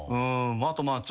あとまあ。